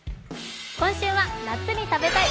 今週は「夏に食べたい！